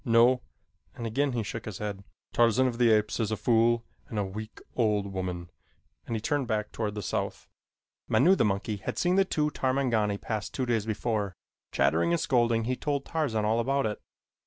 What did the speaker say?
No," and again he shook his head. "Tarzan of the Apes is a fool and a weak, old woman," and he turned back toward the south. Manu, the monkey, had seen the two Tarmangani pass two days before. Chattering and scolding, he told Tarzan all about it.